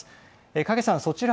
影さん、そちら